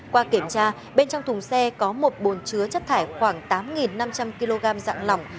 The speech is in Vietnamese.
qua kiểm tra bên trong thùng xe có một bồn chứa chất thải khoảng tám năm trăm linh kg dạng lỏng